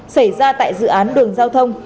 xảy ra tại dự án đường giao thông